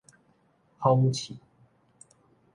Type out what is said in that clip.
諷刺